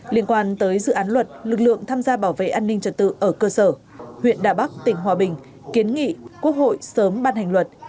liên quan tới dự án luật lực lượng tham gia bảo vệ an ninh trật tự ở cơ sở huyện đà bắc tỉnh hòa bình kiến nghị quốc hội sớm ban hành luật